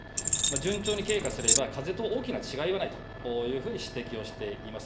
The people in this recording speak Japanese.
順調に経過すれば、かぜと大きな違いはないというふうに指摘をしています。